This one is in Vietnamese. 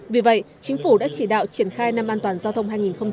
vì vậy chính phủ đã chỉ đạo triển khai năm an toàn giao thông hai nghìn hai mươi